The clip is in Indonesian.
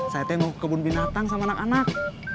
saya tengok kebun binatang sama anak anak